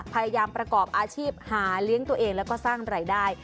พยายามประกอบอาชีพหาเลี้ยงตัวเองแล้วก็สร้างรายได้